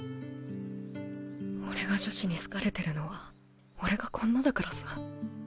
俺が女子に好かれてるのは俺がこんなだからさ。